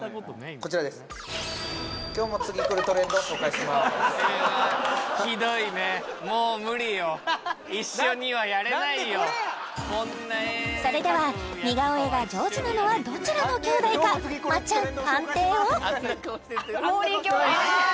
これやんそれでは似顔絵が上手なのはどちらの兄弟かまっちゃん判定を！